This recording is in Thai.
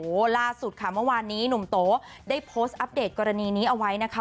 โอ้โหล่าสุดค่ะเมื่อวานนี้หนุ่มโตได้โพสต์อัปเดตกรณีนี้เอาไว้นะคะ